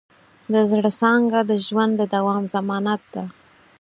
د زړۀ څانګه د ژوند د دوام ضمانت ده.